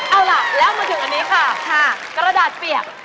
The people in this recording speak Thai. เอาล่ะแล้วมาถึงอันนี้ค่ะกระดาษเปียก